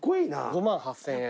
５万８，０００円。